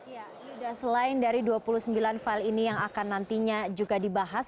ya yuda selain dari dua puluh sembilan file ini yang akan nantinya juga dibahas